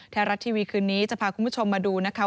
ไทยรัฐทีวีคืนนี้จะพาคุณผู้ชมมาดูนะคะ